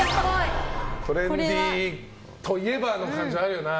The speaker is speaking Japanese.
トレンディーといえばという感じ、あるよな。